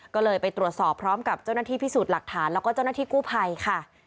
ก็เลยไปตรวจสอบพร้อมกับเจ้านัทธิพิสูจน์หลักฐานและเจ้านัทธิกู้ภัยค่ะ